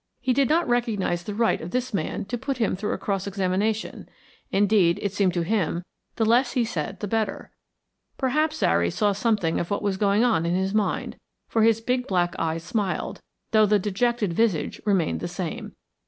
He did not recognise the right of this man to put him through a cross examination. Indeed, it seemed to him, the less he said the better. Perhaps Zary saw something of what was going on in his mind, for his big black eyes smiled, though the dejected visage remained the same.